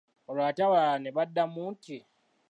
Olwo ate abalala ne baddamu nti